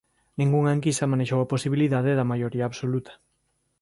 Ningunha enquisa manexou a posibilidade da maioría absoluta.